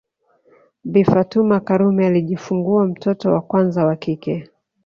Bi Fatuma Karume alijifungua mtoto wa kwanza wa kike